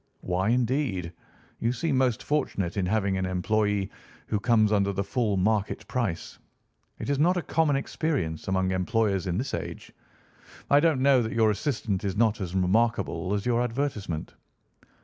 "Why, indeed? You seem most fortunate in having an employé who comes under the full market price. It is not a common experience among employers in this age. I don't know that your assistant is not as remarkable as your advertisement."